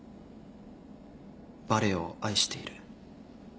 「バレエを愛している」